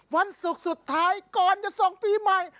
วันศุกร์สุดท้ายก่อนจะส่งปีใหม่